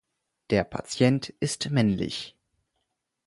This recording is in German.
Der Patient ist männlich.